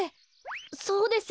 そうですよ。